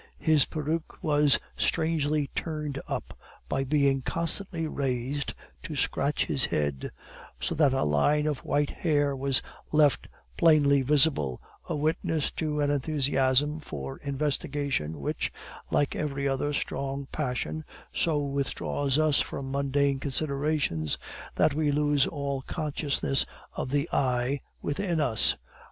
His peruke was strangely turned up, by being constantly raised to scratch his head; so that a line of white hair was left plainly visible, a witness to an enthusiasm for investigation, which, like every other strong passion, so withdraws us from mundane considerations, that we lose all consciousness of the "I" within us.